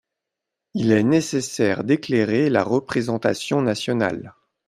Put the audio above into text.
Il est nécessaire d’éclairer la représentation nationale.